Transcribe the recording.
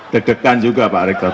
deg degan juga pak rekrut